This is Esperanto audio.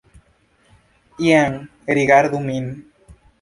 Jen, rigardu min.